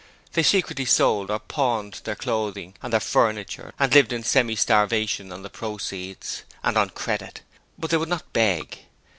They secretly sold or pawned their clothing and their furniture and lived in semi starvation on the proceeds, and on credit, but they would not beg.